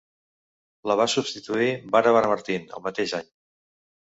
La va substituir Barbara Martin el mateix any.